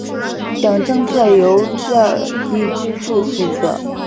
等政策由这一支柱负责。